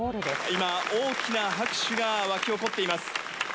今、大きな拍手が沸き起こっています。